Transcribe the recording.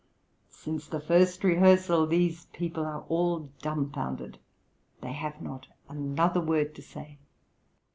But since the first rehearsal these people are all dumbfoundered, and have not another word to say.